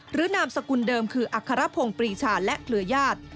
นามสกุลเดิมคืออัครพงศ์ปรีชาและเครือญาติ